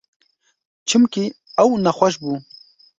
Çimkî ew nexweş bû.